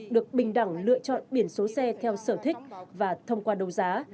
được bình đẳng lựa chọn biển số xe theo sở thích và thông qua đấu giá